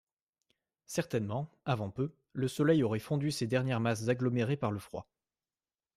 Certainement, avant peu, le soleil aurait fondu ces dernières masses agglomérées par le froid.